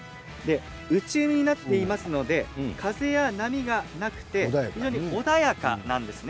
内海になっていますので風や波がなくて非常に穏やかなんですね。